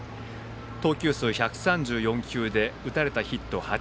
投球数１３４球で打たれたヒット８。